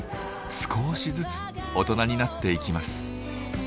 少しずつ大人になっていきます。